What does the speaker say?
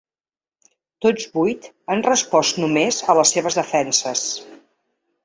Tots vuit han respost només a les seves defenses.